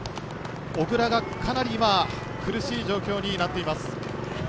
小椋がかなり今、苦しい時期宇になっています。